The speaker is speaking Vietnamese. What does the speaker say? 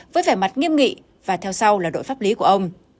với vẻ mặt nghiêm nghị và theo sau là đội pháp lý của ông